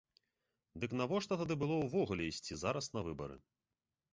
Дык навошта тады было ўвогуле ісці зараз на выбары?